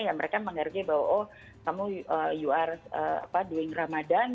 ya mereka menghargai bahwa kamu you are doing ramadan